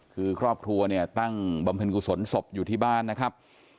คือครอบครัวเนี่ยตั้งบำเพ็ญกุศลศพอยู่ที่บ้านนะครับ